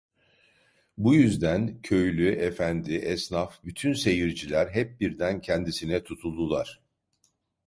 Bu yüzden, köylü, efendi, esnaf, bütün seyirciler hep birden kendisine tutuldular.